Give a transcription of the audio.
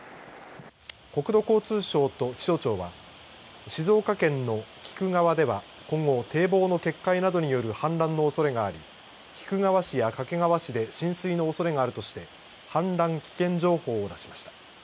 国土交通省と気象庁は静岡県の菊川では今後、堤防の決壊などによる氾濫のおそれがあり菊川市や掛川市で浸水のおそれがあるとして氾濫危険情報を出しました。